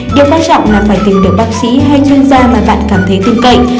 điều quan trọng là phải tìm được bác sĩ hay chuyên gia mà bạn cảm thấy tin cậy